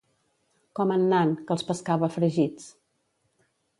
Com en Nan, que els pescava fregits.